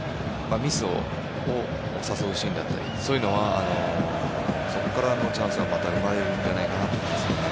ミスを誘うシーンであったりそういうのはそこからのチャンスはまた生まれるんじゃないかなと思いますね。